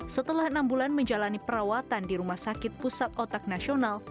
setelah enam bulan menjalani perawatan di rumah sakit pusat otak nasional